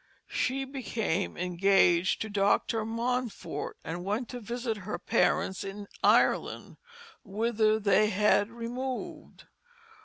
She became engaged to Dr. Mountfort, and went to visit her parents in Ireland, whither they had removed.